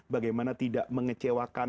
bagaimana tidak mengecewakan